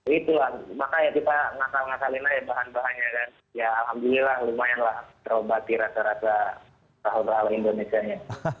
itulah makanya kita ngasal ngasalin aja bahan bahannya dan ya alhamdulillah lumayanlah terobati rasa rasa sahur sahur indonesia